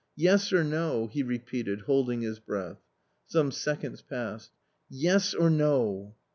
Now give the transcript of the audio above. "Yes or no?" he repeated, holding his breath. Some seconds passed. " Yes or no